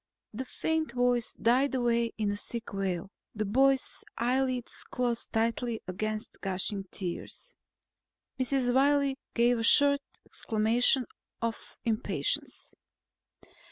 The faint voice died away in a sick wail. The boy's eyelids closed tightly against gushing tears. Mrs. Wiley gave a short exclamation of impatience.